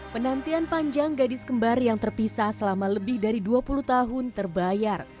penantian panjang gadis kembar yang terpisah selama lebih dari dua puluh tahun terbayar